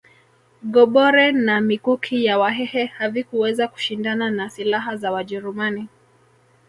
Gobore na mikuki ya wahehe havikuweza kushindana na silaha za wajerumani